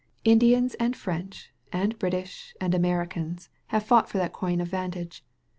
Indians and French, and British, and Americans have fought for that coign of vantage.